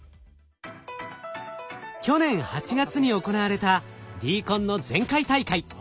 去年８月に行われたＤＣＯＮの前回大会。